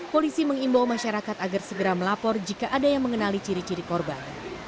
polisi mengimbau masyarakat agar segera melapor jika ada yang mengenali ciri ciri korban